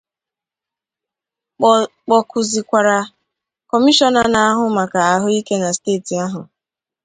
kpọkuzịkwara Kọmishọna na-ahụ maka ahụike na steeti ahụ